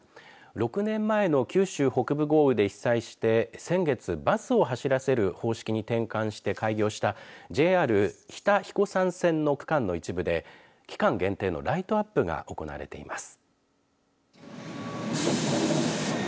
６年前の九州北部豪雨で被災して先月バスを走らせる方式に転換して開業したＪＲ日田彦山線の区間の一部で期間限定のライトアップが行われています。